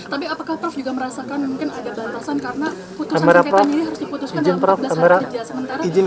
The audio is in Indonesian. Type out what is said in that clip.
tapi apakah prof juga merasakan mungkin ada bantasan karena